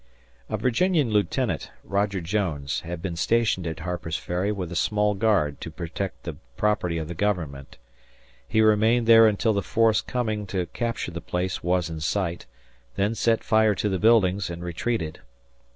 A Virginian lieutenant, Roger Jones, had been stationed at Harper's Ferry with a small guard to protect the property of the Government. He remained until the force coming to capture the place was in sight, then set fire to the buildings, and retreated.